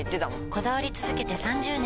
こだわり続けて３０年！